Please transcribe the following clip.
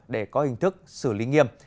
để có hình thức xử lý nghiêm